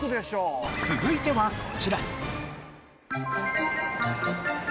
続いてはこちら。